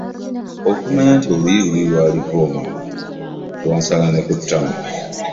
Okumanya oluyi luli lwali'vvoomwange', lwasala ne ku ttama.